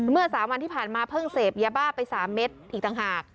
เมื่อ๓วันที่ผ่านมาเพิ่งเสพยาบ้าไป๓เม็ดอีกต่างหาก